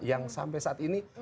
yang sampai saat ini